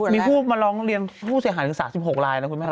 มีผู้มาร้องเรียนผู้เสียหายถึง๓๖ลายนะคุณแม่